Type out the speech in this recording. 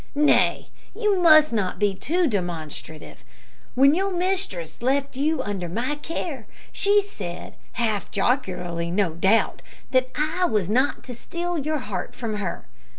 Nay, you must not be too demonstrative. When your mistress left you under my care she said, half jocularly, no doubt that I was not to steal your heart from her.